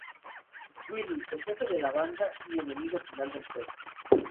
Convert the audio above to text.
Willy: El jefe de la banda y enemigo final del juego.